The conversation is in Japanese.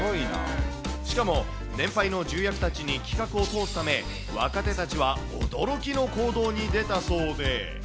しかも、年配の重役たちに企画を通すため、若手たちは驚きの行動に出たそうで。